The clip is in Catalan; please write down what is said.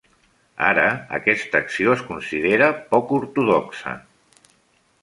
Ara, aquesta acció es considera poc ortodoxa.